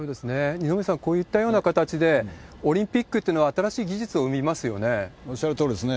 二宮さん、こういったような形で、オリンピックっていうのは、おっしゃるとおりですね。